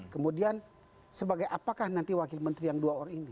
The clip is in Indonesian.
kemudian sebagai apakah nanti wakil menteri yang dua orang ini